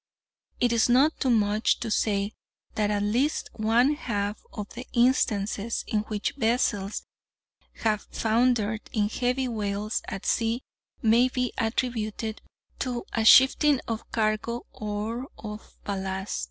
It is not too much to say that at least one half of the instances in which vessels have foundered in heavy gales at sea may be attributed to a shifting of cargo or of ballast.